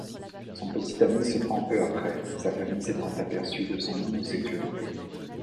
Son petit ami se pend peu après, sa famille s'étant aperçu de son homosexualité.